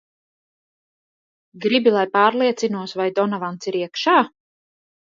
Gribi, lai pārliecinos, vai Donavans ir iekšā?